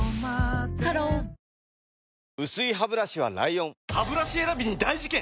ハロー薄いハブラシは ＬＩＯＮハブラシ選びに大事件！